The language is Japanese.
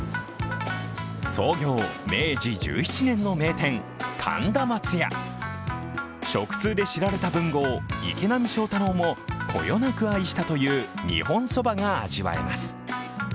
創業明治１７年の名店、神田まつや食通で知られた文豪・池波正太郎もこよなく愛したという日本そばが味わえます。